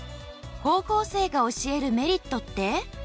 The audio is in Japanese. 高校生が教えるメリットって？